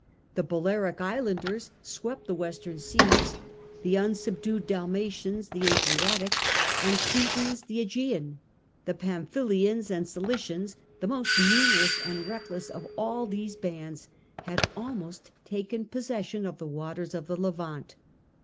The Balearic Islanders swept the western seas ; the unsubdued Dalmatians, the Adriatic ; the Cretans, the ^gean ; the Pamphylians and Cilicians — the most numerous and reckless of all these bands — had almost taken possession of the waters of the Levant.